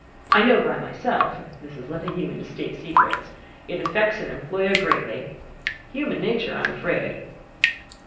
I know by myself (this is letting you into the State secrets) it affects an employer greatly. Human nature, I'm afraid."